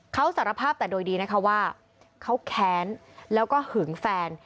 เขาสารภาพแต่โดยดีนะคะว่าเขาแค้นแล้วก็หึงแฟน